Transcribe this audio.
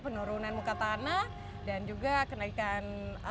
penurunan muka tanah dan juga kenaikan